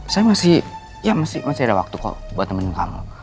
saya masih ya masih ada waktu kok buat temenin kamu